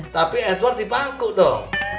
tapi edward dipaku dong